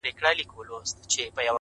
دي مړ سي’ زموږ پر زړونو مالگې سيندي’’